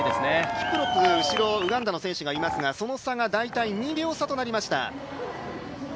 キプロプ後ろ、ウガンダの選手がいますがその差が大体２秒差となりました。